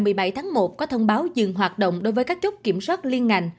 ngày một mươi bảy tháng một có thông báo dừng hoạt động đối với các chốt kiểm soát liên ngành